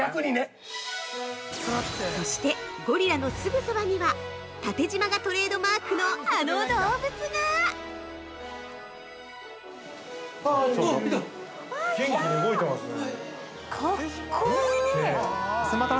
◆そして、ゴリラのすぐそばには縦じまがトレードマークのあの動物が！◆いた！